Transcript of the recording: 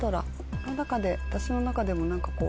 この中で私の中でも何かこう。